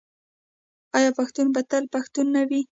آیا پښتون به تل پښتون نه وي؟